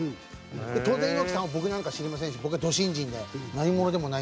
当然猪木さんは僕なんか知りませんし僕はド新人で何者でもないんです。